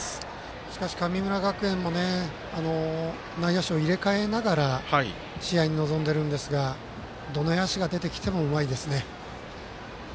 しかし、神村学園も内野手を入れ替えながら試合に臨んでいるんですがどの野手が出てきてもうまいですね。